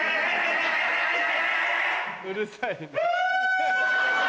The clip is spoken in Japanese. うるさいよ！